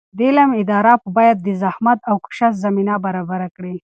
د علم اداره باید د زحمت او کوشش زمینه برابره کړي.